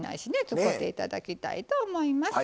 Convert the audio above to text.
使うて頂きたいと思います。